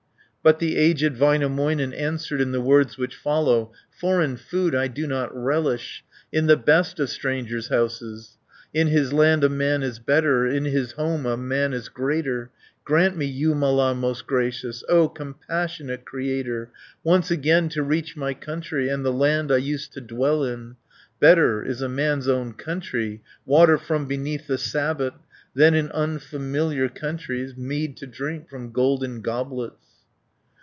But the aged Väinämöinen Answered in the words which follow: "Foreign food I do not relish, In the best of strangers' houses. In his land a man is better, In his home a man is greater. 280 Grant me, Jumala most gracious, O compassionate Creator, Once again to reach my country, And the land I used to dwell in! Better is a man's own country, Water from beneath the sabot, Than in unfamiliar countries, Mead to drink from golden goblets."